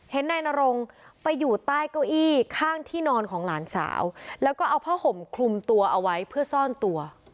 นายนรงไปอยู่ใต้เก้าอี้ข้างที่นอนของหลานสาวแล้วก็เอาผ้าห่มคลุมตัวเอาไว้เพื่อซ่อนตัว